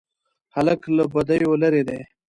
هلک له بدیو لیرې دی.